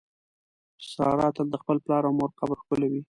ساره تل د خپل پلار او مور قبر ښکلوي.